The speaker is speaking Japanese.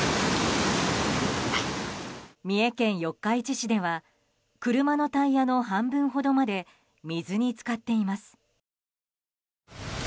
三重県四日市市では車のタイヤの半分ほどまで水に浸かっています。